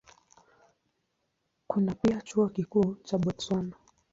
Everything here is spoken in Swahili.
Kuna pia Chuo Kikuu cha Botswana.